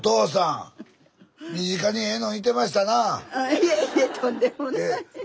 いえいえとんでもない。